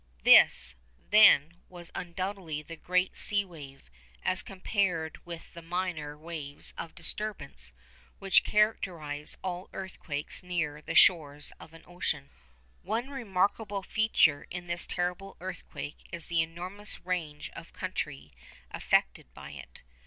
This, then, was undoubtedly the great sea wave, as compared with the minor waves of disturbance which characterise all earthquakes near the shores of the ocean. One remarkable feature in this terrible earthquake is the enormous range of country affected by it.